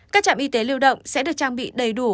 các trạm y tế lưu động sẽ được trang bị đầy đủ